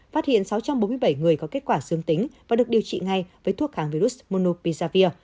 phát hiện sáu trăm bốn mươi bảy người có kết quả xương tính và được điều trị ngay với thuốc kháng virus monopizone